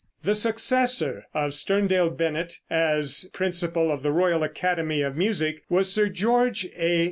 The successor of Sterndale Bennett as principal of the Royal Academy of Music was Sir George A.